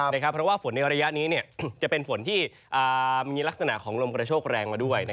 เพราะว่าฝนในระยะนี้จะเป็นฝนที่มีลักษณะของลมกระโชคแรงมาด้วย